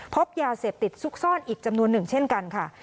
พบยาเสพติดซุกซ่อนอีกจำนวนหนึ่งเช่นกันค่ะ